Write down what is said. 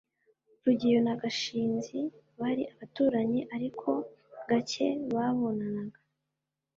rugeyo na gashinzi bari abaturanyi, ariko gake babonanaga